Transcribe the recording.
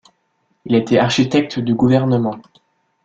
Il a été architecte du gouvernement.